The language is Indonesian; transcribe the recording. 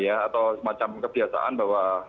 atau semacam kebiasaan bahwa